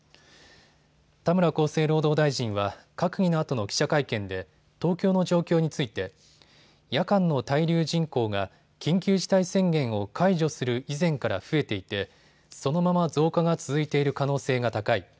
田村厚生労働大臣は閣議のあとの記者会見で東京の状況について夜間の滞留人口が緊急事態宣言を解除する以前から増えていてそのまま増加が続いている可能性が高い。